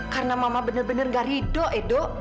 karena mama benar benar nggak rido edo